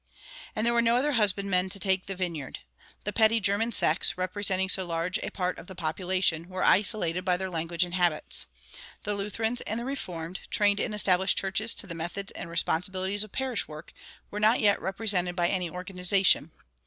And there were no other husbandmen to take the vineyard. The petty German sects, representing so large a part of the population, were isolated by their language and habits. The Lutherans and the Reformed, trained in established churches to the methods and responsibilities of parish work, were not yet represented by any organization.